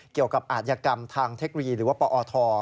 เกี่ยวกับอาทยากรรมทางเทครีหรือว่าปธ